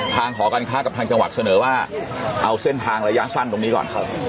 หอการค้ากับทางจังหวัดเสนอว่าเอาเส้นทางระยะสั้นตรงนี้ก่อน